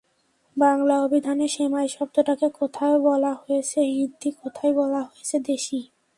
বাংলা অভিধানে সেমাই শব্দটাকে কোথাও বলা হয়েছে হিন্দি, কোথাও বলা হয়েছে দেশি।